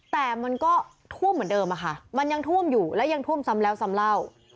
แต่มันก็ท่วมเหมือนเดิมอะค่ะมันยังท่วมอยู่และยังท่วมซ้ำแล้วซ้ำเล่า